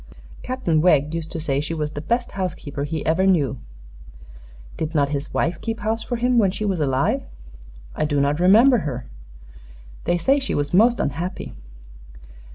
Captain Wegg used to say she was the best housekeeper he ever knew." "Did not his wife keep house for him, when she was alive?" "I do not remember her." "They say she was most unhappy."